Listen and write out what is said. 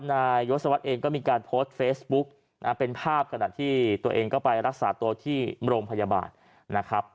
นายยศวรรษเองก็มีการโพสต์เฟซบุ๊กนะเป็นภาพขณะที่ตัวเองก็ไปรักษาตัวที่โรงพยาบาลนะครับ